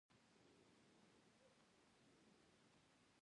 درس ته مه ځه درس ته ځه دي